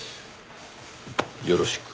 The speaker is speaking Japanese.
よろしく。